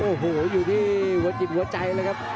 โอ้โหอยู่ที่หัวจิตหัวใจเลยครับ